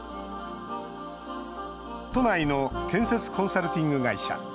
都内の建設コンサルティング会社。